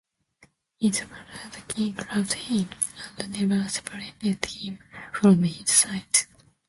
His father the king loved him, and never separated him from his side.